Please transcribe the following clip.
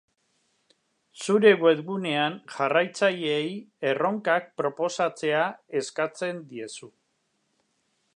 Zure webgunean jarraitzaileei erronkak proposatzea eskatzen diezu.